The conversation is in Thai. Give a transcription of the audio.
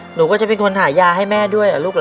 หนูก็จะเป็นคนหายาให้แม่ด้วยเหรอลูกเหรอ